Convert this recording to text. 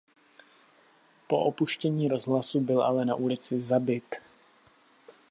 Po opuštění rozhlasu byl ale na ulici zabit.